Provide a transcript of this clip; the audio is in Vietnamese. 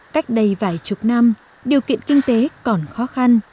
cách đây vài chục năm điều kiện kinh tế còn khó khăn